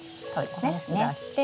ここですね。